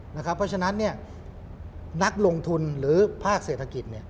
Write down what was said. เพราะฉะนั้นนักลงทุนหรือภาคเศรษฐกิจ